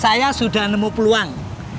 saya sudah nemu peluang